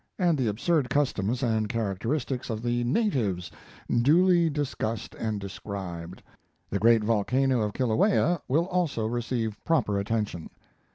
and the absurd customs and characteristics of the natives duly discussed and described. The great volcano of Kilauea will also receive proper attention.